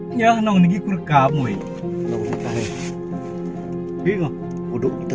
adalah nyokap yg oke berooooo